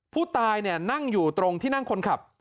ผู้ตายนั่งอยู่ตรงที่นั่งคนขับ